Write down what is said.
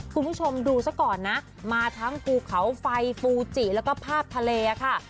คุณผู้ชมดูซะก่อนนะมาทั้งภูเขาไฟฟูจิแล้วก็ภาพทะเลค่ะ